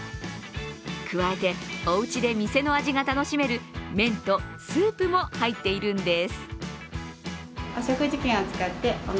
加えておうちで店の味が楽しめる麺とスープも入っているんです。